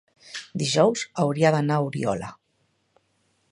Dijous hauria d'anar a Oriola.